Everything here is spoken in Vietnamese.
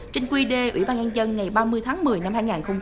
trên quy đề ủy ban ngang dân ngày ba mươi tháng một mươi năm hai nghìn một mươi năm